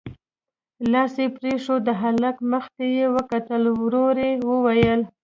لاس يې پرېښود، د هلک مخ ته يې وکتل، ورو يې وويل: